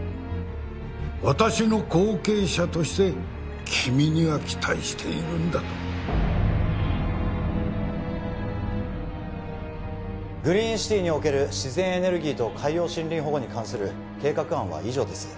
私の後継者として君には期待しているんだとグリーンシティにおける自然エネルギーと海洋森林保護に関する計画案は以上です